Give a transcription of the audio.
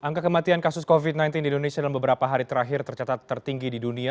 angka kematian kasus covid sembilan belas di indonesia dalam beberapa hari terakhir tercatat tertinggi di dunia